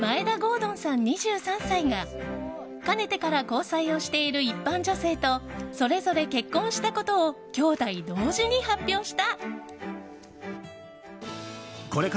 敦さん、２３歳がかねてから交際をしている一般女性とそれぞれ結婚したことを兄弟同時に発表した。